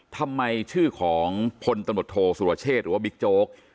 ทำไมชื่อของพลตำรวจโทสุรเชษหรือว่าบิ๊กโจ๊ก